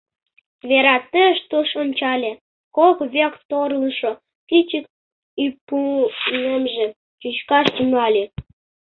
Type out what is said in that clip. Вера тыш-туш ончале, кок век торлышо кӱчык ӱппунемже чӱчкаш тӱҥале: